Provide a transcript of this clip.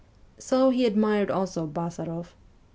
So he admired also Bazaroff.